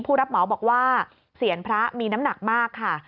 ผู้รับเหมาบอกว่าเสียงพระมีน้ำหนักมากค่ะ